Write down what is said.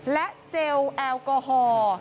และเจลแอลกอฮอล์